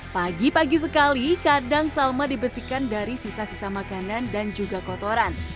pagi pagi sekali kadang salma dibersihkan dari sisa sisa makanan dan juga kotoran